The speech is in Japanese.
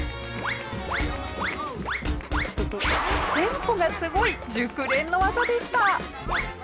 テンポがすごい熟練の技でした。